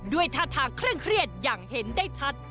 ด้วยทะทางเครื่องเครียดอย่างเห็นได้ชัด